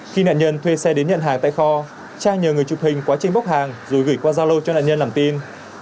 khi nạn nhân thuê xe đến nhận hàng tại kho trang nhờ người chụp hình quá trình bốc hàng rồi gửi qua gia lô cho nạn nhân làm tin